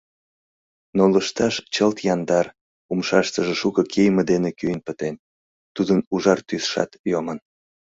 Но лышташ чылт яндар, умшаштыже шуко кийыме дене кӱын пытен, тудын ужар тӱсшат йомын.